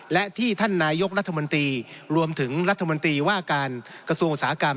และที่ท่านนายกรัฐมนตรีรวมถึงรัฐมนตรีว่าการกระทรวงอุตสาหกรรม